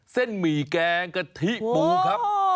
หมี่แกงกะทิปูครับ